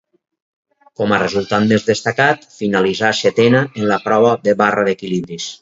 Com a resultat més destacat finalitzà setena en la prova de barra d'equilibris.